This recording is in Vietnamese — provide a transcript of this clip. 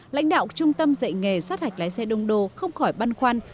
lãnh đạo trung tâm dạy nghề sát hạch lái xe đông đô không khỏi băn khoăn